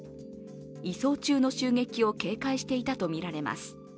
移送中の襲撃を警戒していたとみられます。